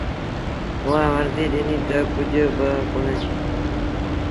اُئآݩٚ ورنديٚ ڏنيٚ تا، ”ڪجھ با ڪونهي۔